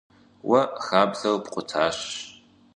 Уэ хабзэр пкъутащ.